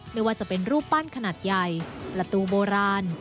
ไม่ว่าจะเป็นรูปปั้นขนาดใหญ่ประตูโบราณ